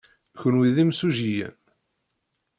Kenwi d imsujjiyen.